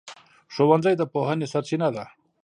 ښوونځی د پوهنې سرچینه ده.